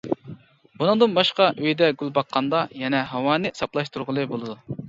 بۇنىڭدىن باشقا، ئۆيدە گۈل باققاندا يەنە ھاۋانى ساپلاشتۇرغىلى بولىدۇ.